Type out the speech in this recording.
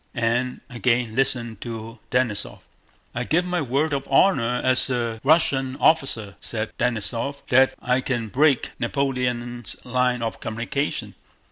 and again listened to Denísov. "I give my word of honor as a Wussian officer," said Denísov, "that I can bweak Napoleon's line of communication!"